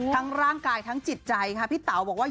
ทั้งร่างกายทั้งจิตใจค่ะพี่เต๋าบอกว่า